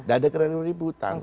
tidak ada keributan